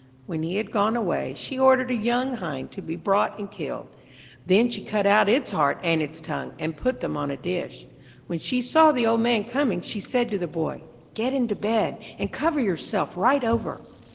When he had gone away, she ordered a young hind to be brought and killed; then she cut out its heart and its tongue, and put them on a dish. When she saw the old man coming she said to the boy, 'Get into bed, and cover yourself right over.'